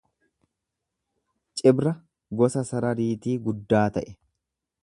Cibra gosa sarariitii guddaa ta'e.